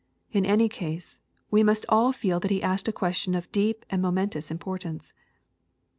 In any case, we must all feel that he asked a question of deep and momentous importance.